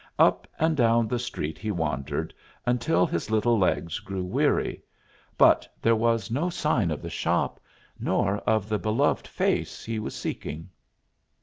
Up and down the street he wandered until his little legs grew weary; but there was no sign of the shop, nor of the beloved face he was seeking.